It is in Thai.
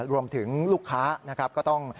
รวมถึงลูกค้าก็ต้อง